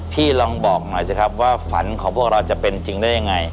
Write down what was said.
พี่ลองบอกหน่อยสิครับว่าฝันของพวกเราจะเป็นจริงได้ยังไง